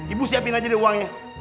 ibu siapin aja deh uangnya